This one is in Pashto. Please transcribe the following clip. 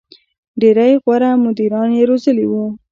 • ډېری غوره مدیران یې روزلي وو.